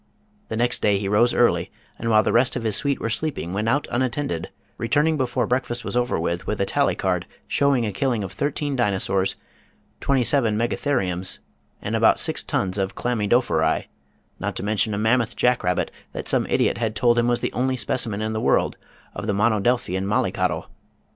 The next day he rose early, and while the rest of his suite were sleeping went out unattended, returning before breakfast was over with a tally card showing a killing of thirteen dinosaurs, twenty seven megatheriums, and about six tons of chlamy dophori, not to mention a mammoth jack rabbit that some idiot had told him was the only specimen in the world of the monodelphian mollycoddle.